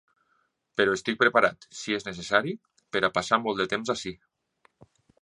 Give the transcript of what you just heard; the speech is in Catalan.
Però estic preparat, si és necessari, per a passar molt de temps aquí.